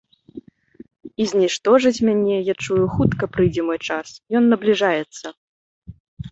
І зніштожаць мяне, я чую, хутка прыйдзе мой час, ён набліжаецца.